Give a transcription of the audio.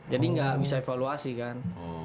jadi nggak bisa evaluasi kan